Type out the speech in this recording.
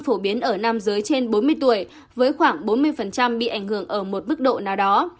phổ biến ở nam giới trên bốn mươi tuổi với khoảng bốn mươi bị ảnh hưởng ở một mức độ nào đó